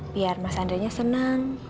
biar mas andri nya senang